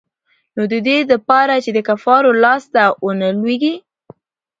نو د دې د پاره چې د کفارو لاس ته ونه لوېږي.